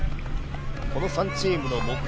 この３チームの目標